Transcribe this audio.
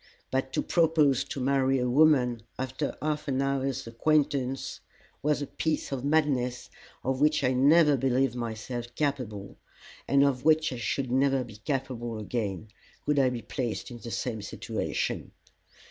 But to propose to marry a woman after half an hour's acquaintance was a piece of madness of which I never believed myself capable, and of which I should never be capable again, could I be placed in the same situation.